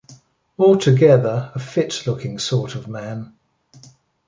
Altogether a fit-looking sort of man.